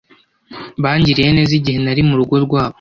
Bangiriye neza igihe nari murugo rwabo.